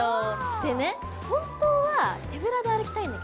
でね本当は手ぶらで歩きたいんだけど。